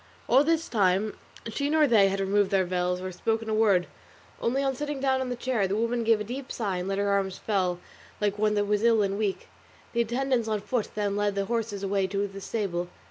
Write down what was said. All this time neither she nor they had removed their veils or spoken a word, only on sitting down on the chair the woman gave a deep sigh and let her arms fall like one that was ill and weak. The attendants on foot then led the horses away to the stable.